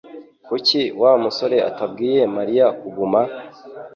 Kuki Wa musore atabwiye Mariya kuguma